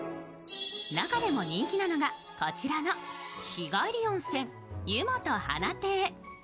中でも人気なのがこちらの日帰り温泉、湯本華亭。